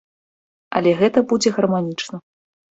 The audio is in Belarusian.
Але гэта будзе гарманічна.